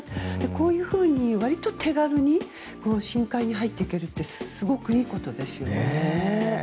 こういうふうに、割と手軽に深海に入っていくのってすごくいいことですよね。